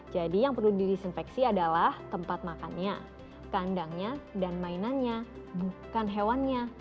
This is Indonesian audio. jadi yang perlu disinfeksi adalah tempat makannya kandangnya dan mainannya bukan hewannya